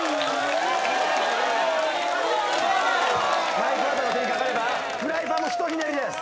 マイク・ワダの手にかかればフライパンも一ひねりです。